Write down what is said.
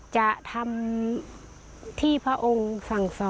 จะทำที่พระองค์สั่งสอน